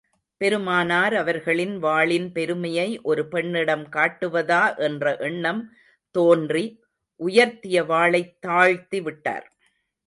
பெருமானார் அவர்களின் வாளின் பெருமையை ஒரு பெண்ணிடம் காட்டுவதா என்ற எண்ணம் தோன்றி, உயர்த்திய வாளைத் தாழ்த்தி விட்டார்.